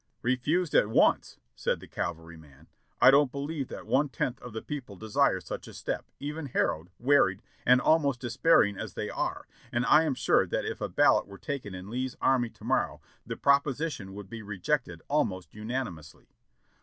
"Refused at once," said the cavalryman. "I don't believe that one tenth of the people desire such a step, even harrowed, wearied, and almost despairing as they are, and I am sure that if a ballot were taken in Lee's army to mor row the proposal would be rejected almost unanimously.